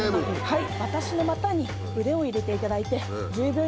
はい。